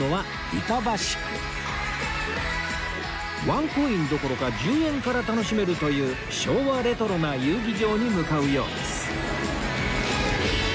ワンコインどころか１０円から楽しめるという昭和レトロな遊技場に向かうようです